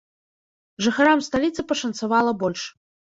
Жыхарам сталіцы пашанцавала больш.